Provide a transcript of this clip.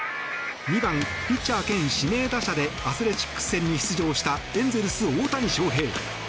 ２番ピッチャー兼指名打者でアスレチックス戦に出場したエンゼルス、大谷翔平。